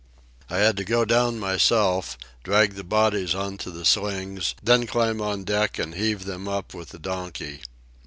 "I had to go down myself, drag the bodies on to the slings, then climb on deck and heave them up with the donkey.